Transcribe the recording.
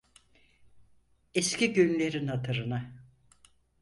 Eski günlerin hatırına.